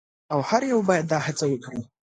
او هر یو باید دا هڅه وکړي.